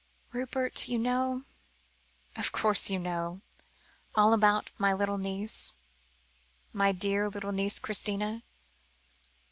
"Rupert, you know of course you know all about my little niece, my dear little niece Christina?